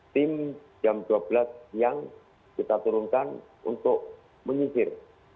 tim jam dua belas siang kita turunkan untuk menyisir